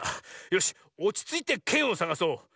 よしおちついてけんをさがそう。